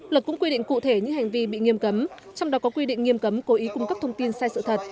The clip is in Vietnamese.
luật cũng quy định cụ thể những hành vi bị nghiêm cấm trong đó có quy định nghiêm cấm cố ý cung cấp thông tin sai sự thật